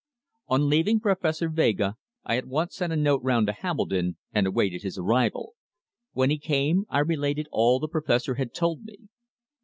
On leaving Professor Vega I at once sent a note round to Hambledon, and awaited his arrival. When he came I related all the professor had told me.